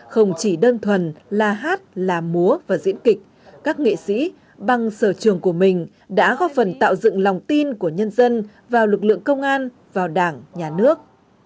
không chỉ đơn thuần là hát là múa và diễn kịch các nghệ sĩ bằng sở trường của mình đã góp phần tạo dựng lòng tin của nhân dân vào lực lượng công an vào đảng nhà nước